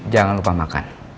jangan lupa makan